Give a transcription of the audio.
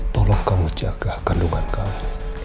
tolong kamu jaga kandungan kamu